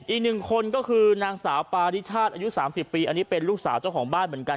อีกหนึ่งคนก็คือนางสาวปาริชาติอายุ๓๐ปีอันนี้เป็นลูกสาวเจ้าของบ้านเหมือนกัน